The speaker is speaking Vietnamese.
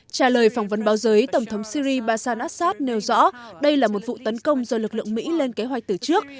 trả lời phỏng vấn báo giới tổng thống syri basan assad nêu rõ đây là một vụ tấn công do lực lượng mỹ lên kế hoạch từ trước